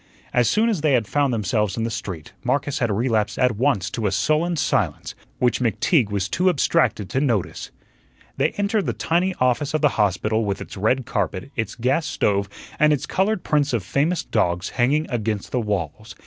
As soon as they had found themselves in the street, Marcus had relapsed at once to a sullen silence, which McTeague was too abstracted to notice. They entered the tiny office of the hospital with its red carpet, its gas stove, and its colored prints of famous dogs hanging against the walls.